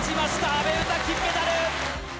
阿部詩、金メダル！